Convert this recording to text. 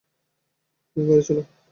তুমি বাড়ি চলো।